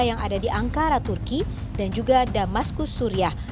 yang ada di ankara turki dan juga damaskus suriah